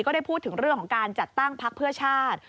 ก็ได้พูดถึงเรื่องของการจัดตั้งพักเพื่อชาติ